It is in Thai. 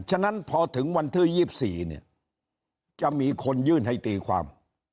ฉะนั้นพอถึงวันที่๒๔เนี่ยจะมีคนยื่นให้ตีความ